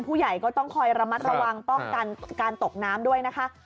ผู้ใหญ่ก็ต้องคอยระมัดระวังป้องกันการตกน้ำด้วยนะคะ